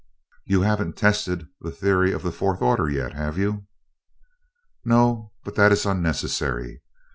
"You haven't tested the theory of the fourth order yet, have you?" "No, but that is unnecessary.